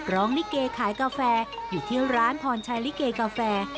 ลิเกขายกาแฟอยู่ที่ร้านพรชัยลิเกกาแฟ